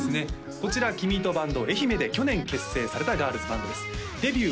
こちらきみとバンド愛媛で去年結成されたガールズバンドですデビュー